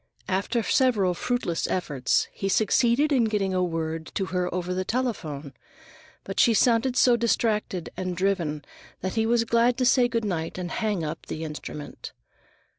After several fruitless efforts, he succeeded in getting a word with her over the telephone, but she sounded so distracted and driven that he was glad to say good night and hang up the instrument.